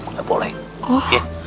nggak boleh oke